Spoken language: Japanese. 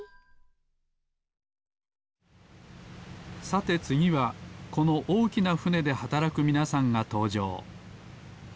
さてつぎはこのおおきなふねではたらくみなさんがとうじょう。